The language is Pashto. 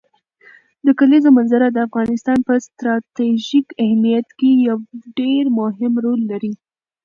د کلیزو منظره د افغانستان په ستراتیژیک اهمیت کې یو ډېر مهم رول لري.